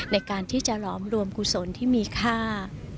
ในการที่จะหลอมรวมกุศลที่มีค่า